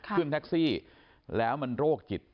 ขึ้นแท็กซี่แล้วมันโรคจิต